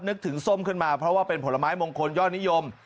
นึกถึงส้มขึ้นมาเพราะว่าเป็นผลไม้มงคลยอดนิยม